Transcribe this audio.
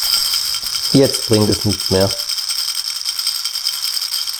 Jetzt bringt es nichts mehr.